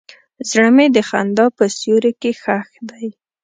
زړه مې د خندا په سیوري کې ښخ دی.